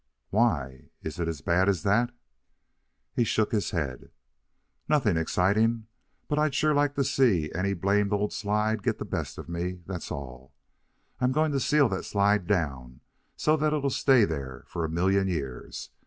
"Why, is it as bad as that?" He shook his head. "Nothing exciting. But I'd sure like to see any blamed old slide get the best of me, that's all. I'm going to seal that slide down so that it'll stay there for a million years.